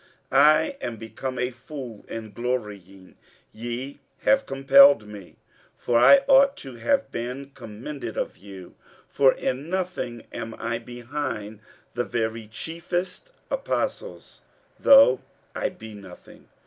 47:012:011 I am become a fool in glorying; ye have compelled me: for I ought to have been commended of you: for in nothing am I behind the very chiefest apostles, though I be nothing.